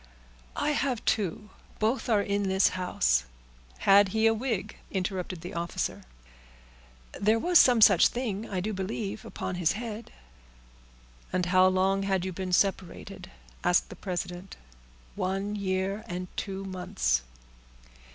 "I have two—both are in this house." "Had he a wig?" interrupted the officer. "There was some such thing I do believe, upon his head." "And how long had you been separated?" asked the president. "One year and two months."